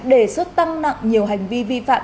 đề xuất tăng nặng nhiều hành vi vi phạm